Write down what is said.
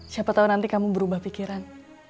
siapa tahu nanti kamu berubah pikiran